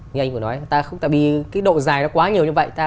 như anh cũng nói ta bị cái độ dài nó quá nhiều như vậy